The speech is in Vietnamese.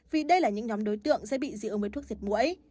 vì đây là những nhóm đối tượng sẽ bị dị ứng với thuốc diệt mũi